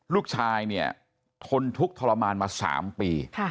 ลูกชายทนทุกข์ทรมานมา๓ปี